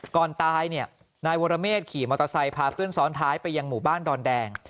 ก่อนตายเนี่ยนายวรเมฆขี่มอเตอร์ไซค์พาเพื่อนซ้อนท้ายไปยังหมู่บ้านดอนแดง